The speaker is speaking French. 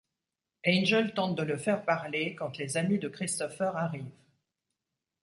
Angel tente de le faire parler quand les amis de Christopher arrivent.